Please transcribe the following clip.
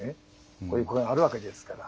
こういう声があるわけですから。